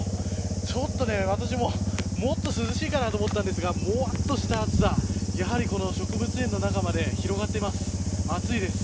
ちょっと私も、もっと涼しいかなと思ったんですがもわっとした暑さやはり植物園の中まで広がっています。